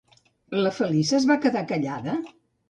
La Feliça es va quedar callada?